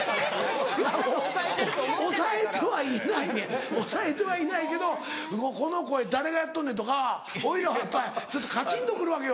違う押さえてはいないねん押さえてはいないけどこの声誰がやっとんねん？とか俺らはやっぱりちょっとカチンと来るわけよ。